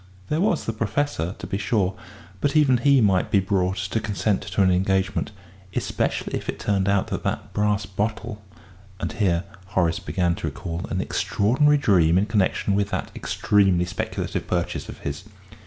There was the Professor, to be sure but even he might be brought to consent to an engagement, especially if it turned out that the brass bottle ... and here Horace began to recall an extraordinary dream in connection with that extremely speculative purchase of his.